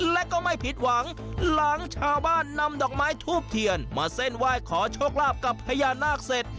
และก็ไม่ผิดหวังหลังชาวบ้านนำดอกไม้ทูบเทียนมาเส้นไหว้ขอโชคลาภกับพญานาคเสร็จ